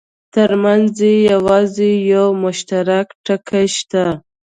ترمنځ یې یوازې یو مشترک ټکی شته.